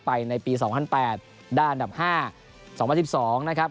ในปี๒๐๐๘ด้านอันดับ๕๒๐๑๒นะครับ